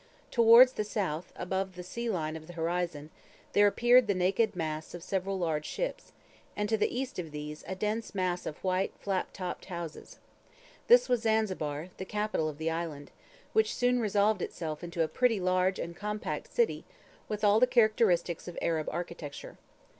Towards the south, above the sea line of the horizon, there appeared the naked masts of several large ships, and to the east of these a dense mass of white, flat topped houses. This was Zanzibar, the capital of the island; which soon resolved itself into a pretty large and compact city, with all the characteristics of Arab architecture.